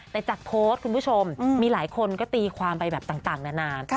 แต่จากโพสต์คุณผู้ชมมีหลายคนก็ตีความไปแบบต่างนานา